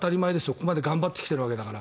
ここまで頑張ってきているわけだから。